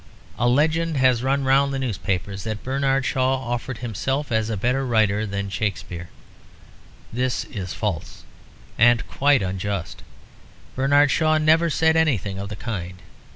A legend has run round the newspapers that Bernard Shaw offered himself as a better writer than Shakespeare. This is false and quite unjust; Bernard Shaw never said anything of the kind.